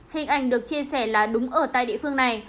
hình ảnh được chia sẻ là đúng ở tại địa phương này